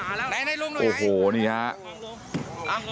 พ่อจะพูดต้องหาแล้วไหนลุงไหนโอ้โหนี่ครับ